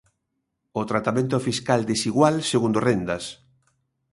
O tratamento fiscal desigual segundo rendas.